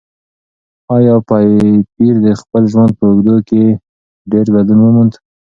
ایا پییر د خپل ژوند په اوږدو کې ډېر بدلون وموند؟